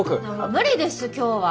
無理です今日は。